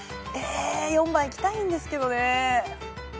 えー４番いきたいんですけどね。